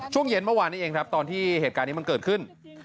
ช่วงเย็นเมื่อวานนี้เองครับตอนที่เหตุการณ์นี้มันเกิดขึ้น